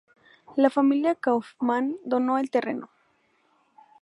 La familia Kaufman donó el terreno.